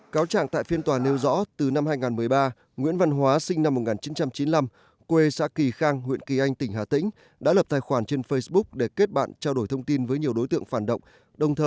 cáo trạng tại phiên tòa nêu rõ từ năm hai nghìn một mươi ba nguyễn văn hóa sinh năm một nghìn chín trăm chín mươi năm quê xã kỳ khang huyện kỳ anh tỉnh hà tĩnh đã lập tài khoản trên facebook để kết bạn trao đổi thông tin với nhiều đối tượng phản động